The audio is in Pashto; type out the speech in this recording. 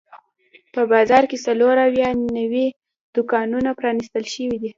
په بازار کې څلور اویا نوي دوکانونه پرانیستل شوي دي.